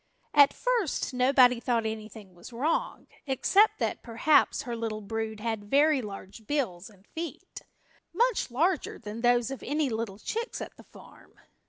At first nobody thought anything was wrong, except that, perhaps, her little brood had very large bills and feet, much larger than those of any little chicks at the farm.